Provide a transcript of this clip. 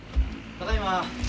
ただいま。